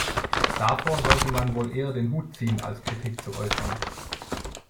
Davor sollte man wohl eher den Hut ziehen als Kritik zu äußern.